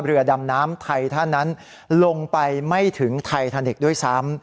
เรือดำน้ำไทยท่านนั้นลงไปไม่ถึงไททานิกส์ด้วยซ้ำ